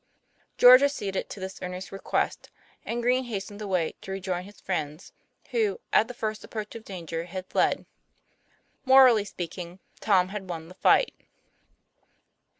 George acceded to this earnest request, and Green hastened away to rejoin his friends, who, at the first approach of danger, had fled. Morally speaking, Tom had won the fight.